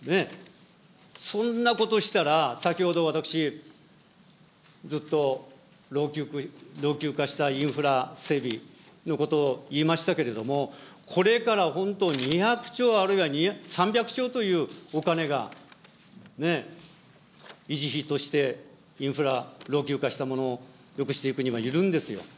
そんなことしたら、先ほど私、ずっと老朽化したインフラ整備のことを言いましたけれども、これから本当２００兆あるいは３００兆というお金がね、維持費としてインフラ、老朽化したものをよくしていくにはいるんですよ。